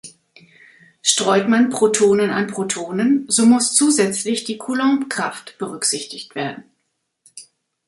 Streut man Protonen an Protonen, so muss zusätzlich die Coulomb-Kraft berücksichtigt werden.